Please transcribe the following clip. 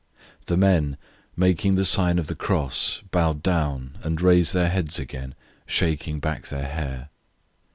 The men, making the sign of the cross, bowed down and raised their heads again, shaking back their hair.